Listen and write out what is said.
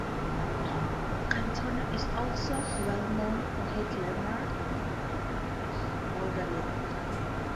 Katona is also well known for her glamour modelling.